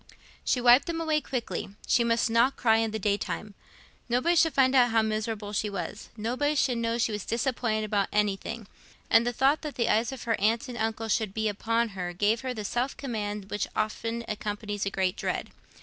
She wiped them away quickly: she must not cry in the day time. Nobody should find out how miserable she was, nobody should know she was disappointed about anything; and the thought that the eyes of her aunt and uncle would be upon her gave her the self command which often accompanies a great dread.